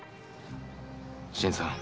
新さん。